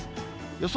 予想